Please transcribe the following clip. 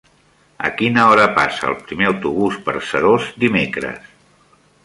A quina hora passa el primer autobús per Seròs dimecres?